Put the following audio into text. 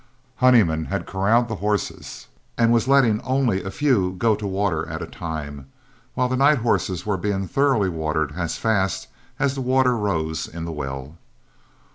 Honeyman had corralled the horses and was letting only a few go to the water at a time, while the night horses were being thoroughly watered as fast as the water rose in the well.